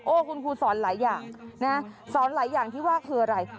คุณครูสอนหลายอย่างนะสอนหลายอย่างที่ว่าคืออะไร